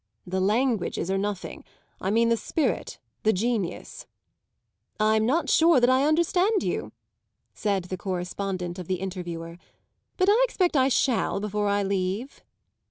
"The languages are nothing. I mean the spirit the genius." "I'm not sure that I understand you," said the correspondent of the Interviewer; "but I expect I shall before I leave."